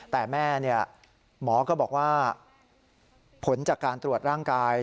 แต่แม่หมอก็บอกว่าผลจากการตรวจร่างกาย